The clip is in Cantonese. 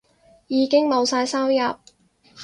已經冇晒收入